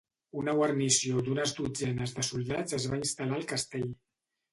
Una guarnició d'unes dotzenes de soldats es va instal·lar al castell.